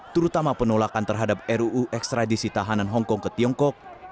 terutama penolakan terhadap ruu ekstradisi tahanan hongkong ke tiongkok